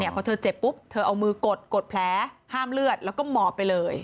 พอเธอเจ็บปุ๊บเธอเอามือกดกดแผลห้ามเลือดแล้วก็หมอบไปเลย